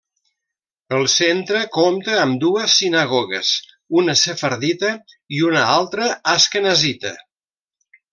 El centre compta amb dues sinagogues, una sefardita i una altra asquenazita.